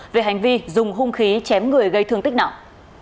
về hành vi dùng hung khí chém người gây thương tích nặng